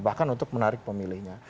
bahkan untuk menarik pemilihnya